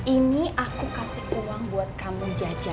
ini aku kasih uang buat kamu jajan